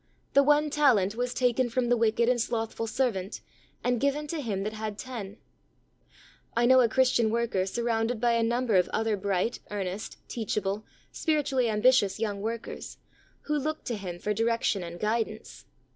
The one talent was taken from the "wicked and slothful servant," and given to him that had ten. I know a Christian worker surrounded by a number of other bright, earnest, teach able, spiritually ambitious young workers, who looked to him for direction and guid ance.